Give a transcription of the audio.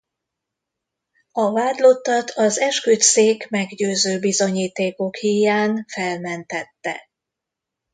A vádlottat az esküdtszék meggyőző bizonyítékok híján felmentette.